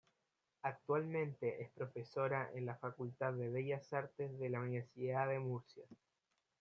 Actualmente es profesora en Facultad de Bellas Artes de la Universidad de Murcia.